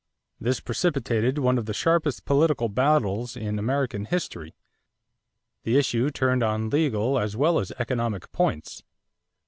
This precipitated one of the sharpest political battles in American history. The issue turned on legal as well as economic points.